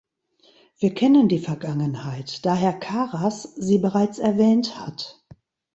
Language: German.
Wir kennen die Vergangenheit, da Herr Karas sie bereits erwähnt hat.